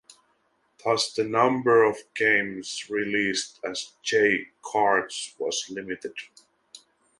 Thus the number of games released as J-Carts was limited.